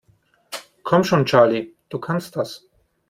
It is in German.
Komm schon, Charlie, du kannst das!